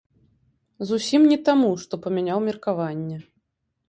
Зусім не таму, што памяняў меркаванне.